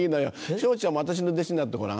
昇ちゃんも私の弟子になってごらん。